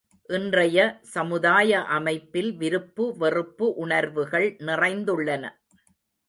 இன்றைய சமுதாய அமைப்பில் விருப்பு வெறுப்பு உணர்வுகள் நிறைந்துள்ளன.